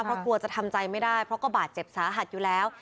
เพราะกลัวจะทำใจไม่ได้เพราะก็บาดเจ็บสาหัสอยู่แล้ว